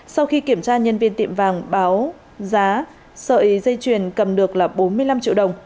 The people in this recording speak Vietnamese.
sau khi kiểm tra nhân viên tiệm vàng báo giá sợi dây chuyền cầm được là bốn mươi năm triệu đồng